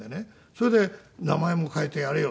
それで「名前も変えてやれよ」